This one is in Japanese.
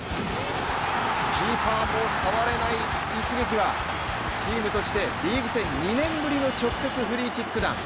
キーパーも触れない一撃はチームとしてリーグ戦２年ぶりの直接フリーキック弾。